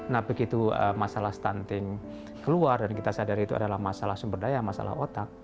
nah begitu masalah stunting keluar dan kita sadari itu adalah masalah sumber daya masalah otak